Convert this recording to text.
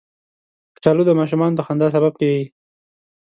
کچالو د ماشومانو د خندا سبب کېږي